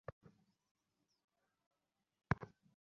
তিনি মঙ্গোলিয়া ও চীনে তীর্থযাত্রা করেন।